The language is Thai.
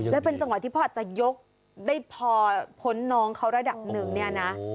แล้วเป็นจังหวะที่พ่ออาจจะยกได้พอพ้นน้องเขาระดับหนึ่งเนี่ยนะ